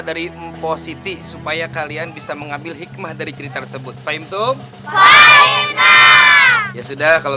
dari positif supaya kalian bisa mengambil hikmah dari cerita tersebut time tom ya sudah kalau